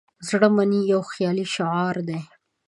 "د زړه منئ" یو خیالي شعار دی.